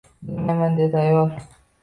“Bilmayman, – dedi ayol.